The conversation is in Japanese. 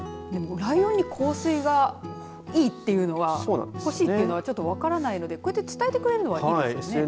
でも、ライオンに香水がいいというのはほしというのはちょっと分からないのでこうやって伝えてくれるのはいいですね。